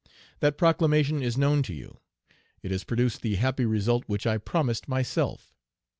That proclamation is known to you. It has produced the happy result which I promised myself.